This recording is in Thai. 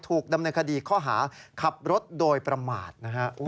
ถูกดำเนินคดีข้อหาขับรถโดยประมาทนะฮะ